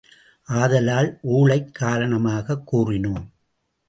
ஆதலால், ஊழைக் காரணமாகக் கூறினோம்.